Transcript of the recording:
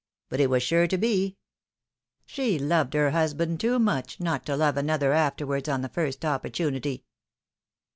But it was sure to be ; she loved her husband too much, not to love another afterwards on the first opportunity."